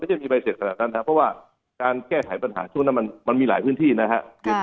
ไม่ใช่มีใบเสร็จต่างครับเพราะว่าแก้ไหปัญหาช่วงนั้นมันมีหลายพื้นที่นะฮะ